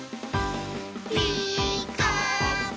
「ピーカーブ！」